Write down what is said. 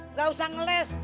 nggak usah ngeles